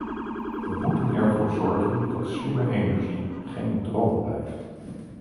We moeten ervoor zorgen dat slimme energie geen droom blijft.